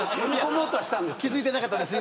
気づいてなかったです。